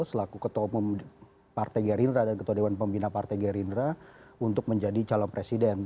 selaku ketua umum partai gerindra dan ketua dewan pembina partai gerindra untuk menjadi calon presiden